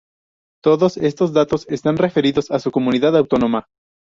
Todos estos datos están referidos a su comunidad autónoma.